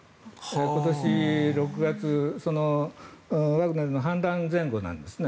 今年６月ワグネルの反乱前後なんですね。